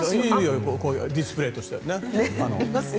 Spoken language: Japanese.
ディスプレーとしてね。